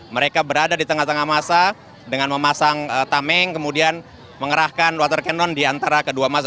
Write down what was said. mereka berada di tengah tengah masa dengan memasang tameng kemudian mengerahkan water cannon di antara kedua masa